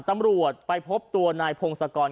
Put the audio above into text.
ตำรวจไปพบตัวนายพงศกร